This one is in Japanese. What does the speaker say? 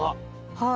はい。